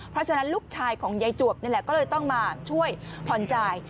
เพราะฉะนั้นลูกชายของยายจวบนี่แหละก็เลยต้องมาช่วยผ่อนจ่าย